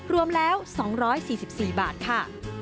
รวมแล้ว๒๔๔บาทค่ะ